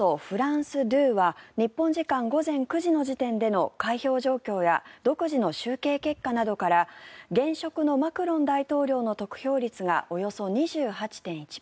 フランス２は日本時間午前９時の時点での開票状況や独自の集計結果などから現職のマクロン大統領の得票率がおよそ２８．１％。